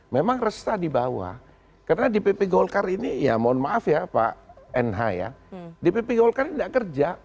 memang resah di bawah karena di pp golkar ini ya mohon maaf ya pak nh ya dpp golkar ini tidak kerja